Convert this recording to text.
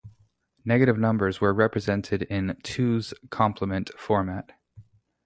Negative numbers were represented in "two's complement" format.